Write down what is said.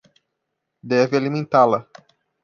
Deve alimentá-la.